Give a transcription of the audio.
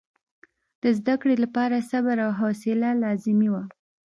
د زده کړې لپاره صبر او حوصله لازمي وه.